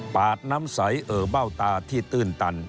ปาดน้ำใสเอ่อเบ้าตาที่ตื้นตัน